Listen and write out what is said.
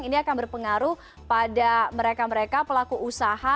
ini akan berpengaruh pada mereka mereka pelaku usaha